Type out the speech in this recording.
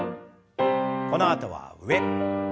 このあとは上。